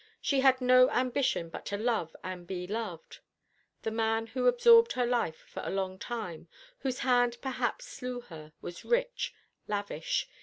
She had no ambition but to love and to be loved. The man who absorbed her life for a long time, whose hand perhaps slew her, was rich, lavish.